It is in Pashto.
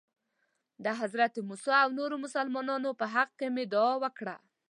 د حضرت موسی او نورو مسلمانانو په حق کې مې دعا وکړه.